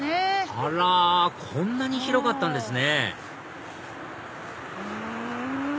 あらこんなに広かったんですね